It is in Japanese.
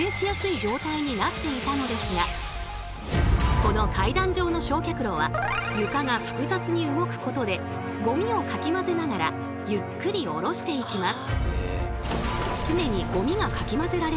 この階段状の焼却炉は床が複雑に動くことでゴミをかき混ぜながらゆっくり下ろしていきます。